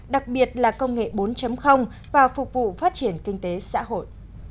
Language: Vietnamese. đặc biệt là công nghệ bốn và phục vụ phát triển kinh tế xã hội